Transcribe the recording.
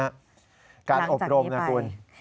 การอบรมนะคุณ